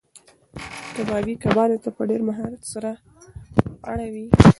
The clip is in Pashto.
کبابي کبابونه په ډېر مهارت سره اړوي.